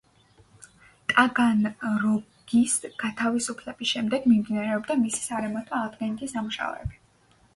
ტაგანროგის გათავისუფლების შემდეგ მიმდინარეობდა მისი სარემონტო-აღდგენითი სამუშაოები.